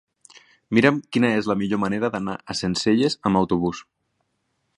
Mira'm quina és la millor manera d'anar a Sencelles amb autobús.